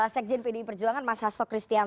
sekjen pdi perjuangan mas hasto kristian